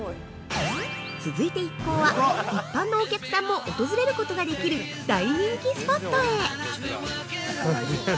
続いて一行は、一般のお客さんも訪れることができる大人気スポットへ。